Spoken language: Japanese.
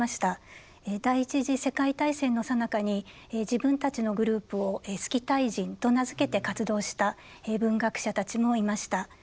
第一次世界大戦のさなかに自分たちのグループを「スキタイ人」と名付けて活動した文学者たちもいました。